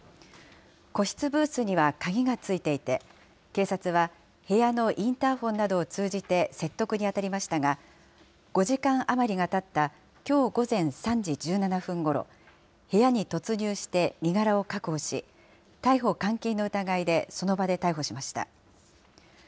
個室ブースには鍵が付いていて、警察は、部屋のインターフォンなどを通じて説得に当たりましたが、５時間余りがたったきょう午前３時１７分ごろ、部屋に突入して身柄を確保し、逮捕監禁の疑いでその場で逮捕しました。